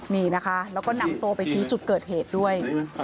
นี่นะคะแล้วก็นำตัวไปชี้จุดเกิดเหตุด้วย